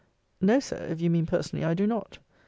No, Sir. If you mean personally, I do not.